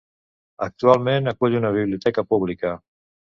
Actualment acull una biblioteca pública.